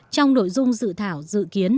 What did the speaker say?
trong nội dung dự thảo dự kiến